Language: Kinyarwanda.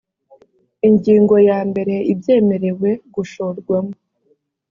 ingingo ya mbere ibyemerewe gushorwamo